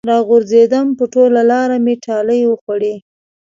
راغورځېدم په ټوله لاره مې ټالۍ وخوړې